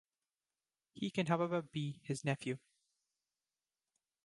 He can however be his nephew.